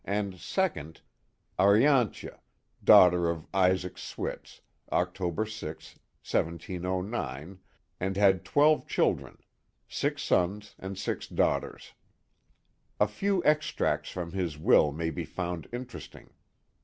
and second, Ariaantje, daughter of Isaac Swits, October 6. 1709, and had twelve children; six sons and six daughters. A few extracts from his will may be found interesting.